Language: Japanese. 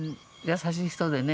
優しい人でね。